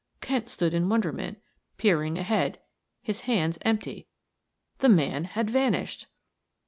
Kent stood in wonderment, peering ahead, his hands empty the man had vanished!